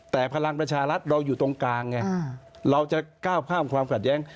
แต่พลังประชารัฐเราอยู่ตรงกลางไงเราจะก้าวข้ามความขัดแย้ง